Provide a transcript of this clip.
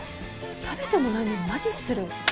食べてもないのにマジ失礼。